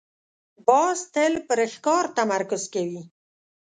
باز تل پر ښکار تمرکز کوي